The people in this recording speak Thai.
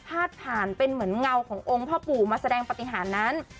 ผ่านเป็นเหมือนเงาขององค์พ่อปู่มาแสดงปฏิหารนั้น